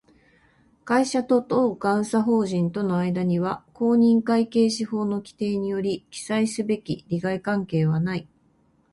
会社と当監査法人との間には、公認会計士法の規定により記載すべき利害関係はない